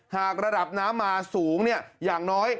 หากระดับน้ำมาสูงอย่างน้อย